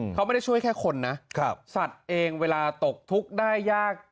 เขาไม่ได้ช่วยแค่คนนะสัตว์เองเวลาตกทุกข์ได้ยาก